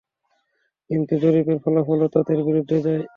কিন্তু এ জরীপের ফলাফলও তাদের বিরুদ্ধে যায়।